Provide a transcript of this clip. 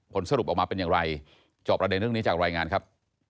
ผลสรุปออกมาเป็นอย่างไรจอบประเด็นเรื่องนี้จากรายงานครับ